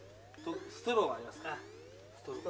ストローがあります。